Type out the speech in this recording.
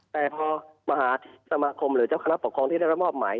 แต่พอมหาสมาคมหรือเจ้าคณะปกครองที่ได้รับมอบหมาย